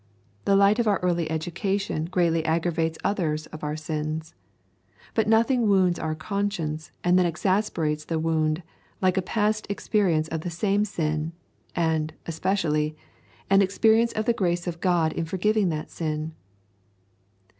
The light of our early education greatly aggravates others of our sins. But nothing wounds our conscience and then exasperates the wound like a past experience of the same sin, and, especially, an experience of the grace of God in forgiving that sin.